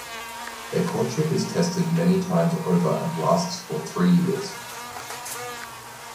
Their courtship is tested many times over and lasts for three years.